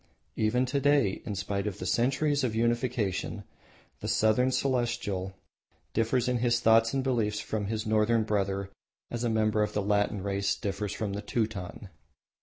Even to day, in spite of centuries of unification, the Southern Celestial differs in his thoughts and beliefs from his Northern brother as a member of the Latin race differs from the Teuton.